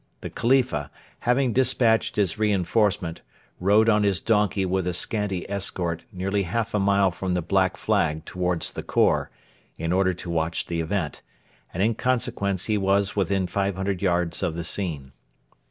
The Khalifa, having despatched his reinforcement, rode on his donkey with a scanty escort nearly half a mile from the Black Flag towards the khor, in order to watch the event, and in consequence he was within 500 yards of the scene.